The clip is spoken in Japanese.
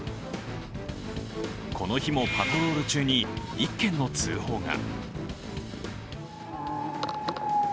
この日もパトロール中に１件の通報が。